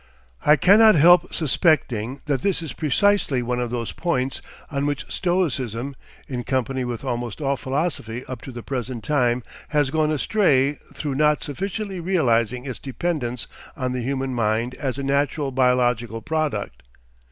I cannot help suspecting that this is precisely one of those points on which Stoicism, in company with almost all philosophy up to the present time, has gone astray through not sufficiently realising its dependence on the human mind as a natural biological product.